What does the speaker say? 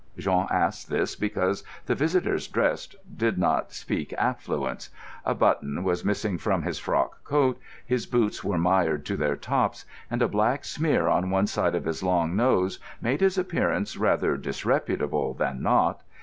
Jean asked this because the visitor's dress did not bespeak affluence. A button was missing from his frock coat, his boots were mired to their tops, and a black smear on one side of his long nose made his appearance rather disreputable than not.